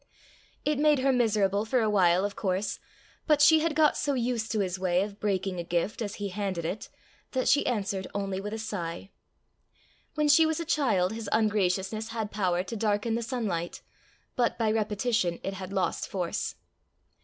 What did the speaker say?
It made her miserable for a while of course, but she had got so used to his way of breaking a gift as he handed it, that she answered only with a sigh. When she was a child, his ungraciousness had power to darken the sunlight, but by repetition it had lost force.